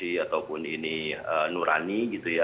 ini proxy ataupun ini nurani gitu ya